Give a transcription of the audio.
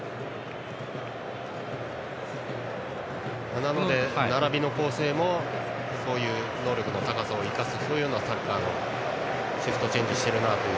なので、並びの構成もそういう能力を生かすそういうサッカーにシフトチェンジしたという。